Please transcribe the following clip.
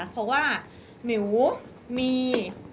เพราะว่าหมิวมี